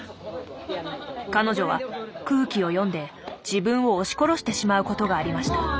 彼女は空気を読んで自分を押し殺してしまうことがありました。